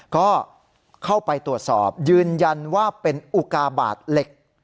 ก็เข้าไปตรวจสอบยืนยันว่าเป็นอุกาบาทเหล็ก